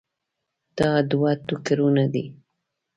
دا دوه ټوکرونه دي.